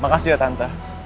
makasih ya tante